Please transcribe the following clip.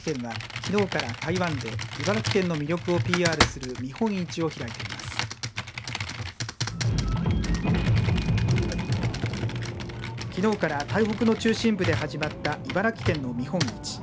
きのうから台北の中心部で始まった茨城県の見本市。